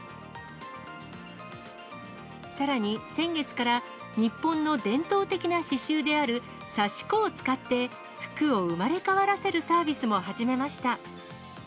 さらに先月から、日本の伝統的な刺しゅうである刺し子を使って、服を生まれ変わらせるサービスも始めました。